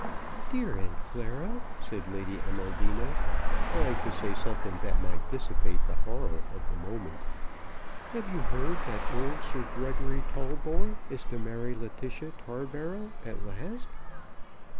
"Dear Aunt Clara," said Lady Amaldina, trying to say something that might dissipate the horror of the moment, "have you heard that old Sir Gregory Tollbar is to marry Letitia Tarbarrel at last?"